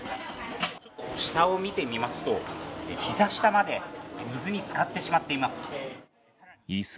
下を見てみますと、ひざ下まで水につかってしまっています。